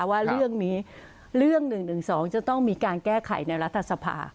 ว่าเรื่องนี้เรื่อง๑๑๒จะต้องมีการแก้ไขในรัฐสภา